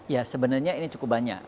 ya sebenarnya ini cukup banyak